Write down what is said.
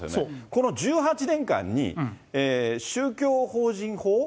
この１８年間に宗教法人法。